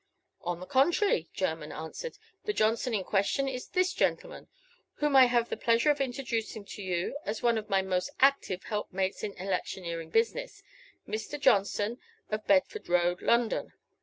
"On the contrary," Jermyn answered, "the Johnson in question is this gentleman, whom I have the pleasure of introducing to you as one of my most active helpmates in electioneering business Mr. Johnson, of Bedford Row, London.